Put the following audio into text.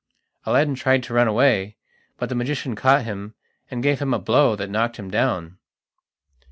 Aladdin tried to run away, but the magician caught him and gave him a blow that knocked him down.